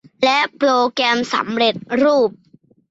และโปรแกรมสำเร็จรูป